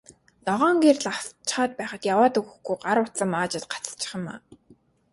Ногоон гэрэл асчхаад байхад яваад өгөхгүй, гар утсаа маажаад гацчих юм аа.